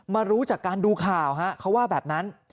รู้จากการดูข่าวฮะเขาว่าแบบนั้น